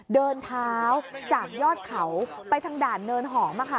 เดินเท้าจากยอดเขาไปทางด่านเนินหอม